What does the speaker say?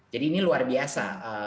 jadi ini luar biasa